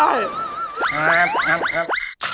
เอาละครับครับครับ